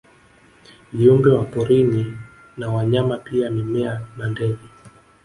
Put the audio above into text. Viumbe wa porini na wanyama pia mimea na ndege